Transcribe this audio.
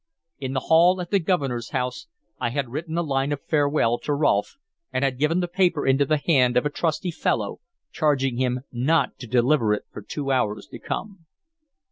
In the hall at the Governor's house, I had written a line of farewell to Rolfe, and had given the paper into the hand of a trusty fellow, charging him not to deliver it for two hours to come.